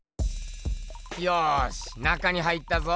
ようし中に入ったぞ。